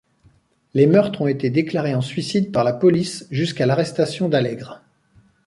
Les meurtres ont été déclarés en suicides par la police jusqu'à l'arrestation d'Alègre.